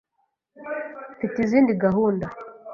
Mfite izindi gahunda.